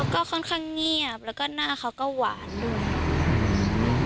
ก็ค่อนข้างเงียบแล้วก็หน้าเขาก็หวานด้วย